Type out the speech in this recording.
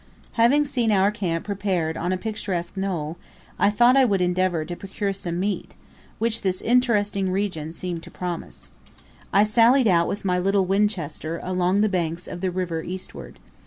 Having seen our camp prepared on a picturesque knoll, I thought I would endeavour to procure some meat, which this interesting region seemed to promise. I sallied out with my little Winchester along the banks of the river eastward.